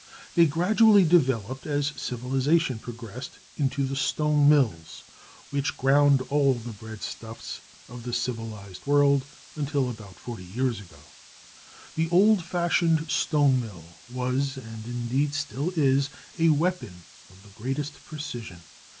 They gradually developed as civilization progressed into the stone mills which ground all the breadstuffs of the civilised world until about 40 years ago. The old fashioned stone mill was, and indeed still is, a weapon of the greatest precision.